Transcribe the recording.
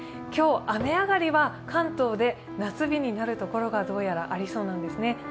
今日、雨上がりは関東で夏日になるところがどうやらありそうなんですね。